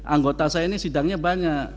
anggota saya ini sidangnya banyak